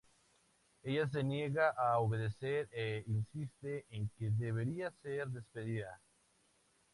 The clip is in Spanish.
Ella se niega a obedecer e insiste en que debería ser despedida.